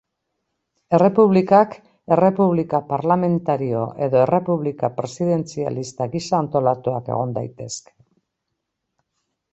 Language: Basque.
Errepublikak errepublika parlamentario edo errepublika presidentzialista gisa antolatuak egon daitezke.